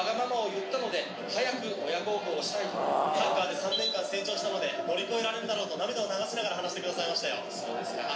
３年間成長したので乗り越えられるだろうと涙を流しながら話してくださいましたよ。